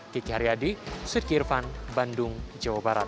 kiki haryadi sudki irvan bandung jawa barat